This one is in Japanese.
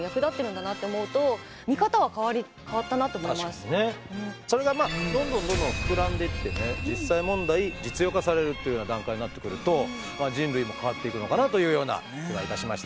確かにね。それがまあどんどんどんどん膨らんでいってね実際問題実用化されるっていうような段階になってくると人類も変わっていくのかなというような気がいたしました。